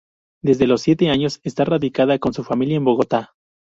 Desde los siete años está radicada con su familia en Bogotá.